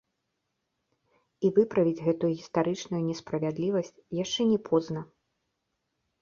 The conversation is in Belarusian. І выправіць гэтую гістарычную несправядлівасць яшчэ не позна.